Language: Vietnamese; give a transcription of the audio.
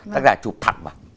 đặc biệt là chụp thẳng vào